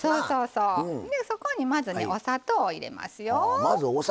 そこに、まずお砂糖を入れますよ。